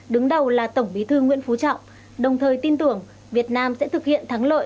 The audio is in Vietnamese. đứng đầu là tổng bí thư nguyễn phú trọng đồng thời tin tưởng việt nam sẽ thực hiện thắng lợi